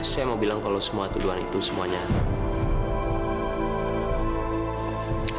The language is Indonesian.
saya mau bilang kalau semua tuduhan itu semuanya